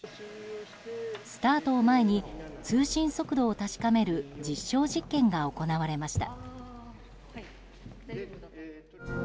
スタートを前に通信速度を確かめる実証実験が行われました。